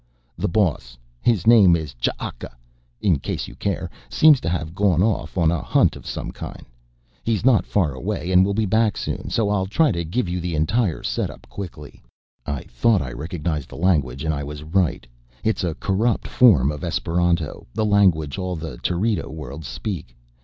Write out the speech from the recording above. The boss, his name is Ch'aka in case you care, seems to have gone off on a hunt of some kind. He's not far away and will be back soon, so I'll try and give you the entire setup quickly. "I thought I recognized the language, and I was right. It's a corrupt form of Esperanto, the language all the Terido worlds speak.